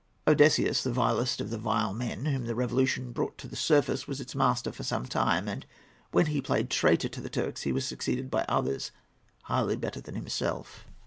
Odysseus, the vilest of the vile men whom the Revolution brought to the surface, was its master for some time; and, when he played traitor to the Turks, he was succeeded by others hardly better than himself.